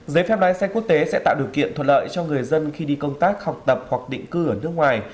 giấy phép lái xe quốc tế sẽ tạo điều kiện thuận lợi cho người dân khi đi công tác học tập hoặc định cư ở nước ngoài